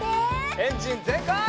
エンジンぜんかい！